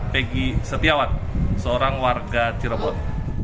pegi setiawan seorang warga cirebon